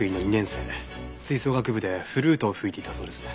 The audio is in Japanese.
吹奏楽部でフルートを吹いていたそうですね。